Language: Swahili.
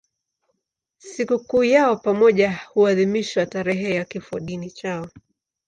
Sikukuu yao ya pamoja huadhimishwa tarehe ya kifodini chao.